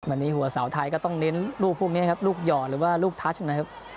วันนี้หัวสาวไทยก็ต้องเน้นลูกพวกนี้ครับลูกหย่อหรือว่าลูกทัชนะครับ